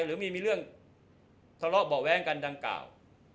หรือมีเรื่องทะเลาะเบาะแว้งกันดังกล่าว